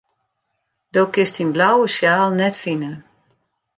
Do kinst dyn blauwe sjaal net fine.